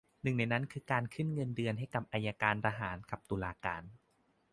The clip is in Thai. หนึ่งในนั้นคือการขึ้นเงินเดือนให้กับอัยการทหารกับตุลาการ